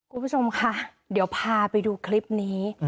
คุณผู้ชมค่ะเดี๋ยวพาไปดูคลิปนี้